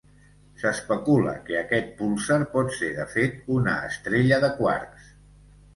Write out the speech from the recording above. S'especula que aquest púlsar pot ser de fet una estrella de quarks.